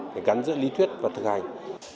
để gắn giữa lý thuyết và thực hành